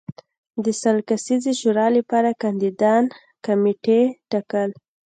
د سل کسیزې شورا لپاره کاندیدان کمېټې ټاکل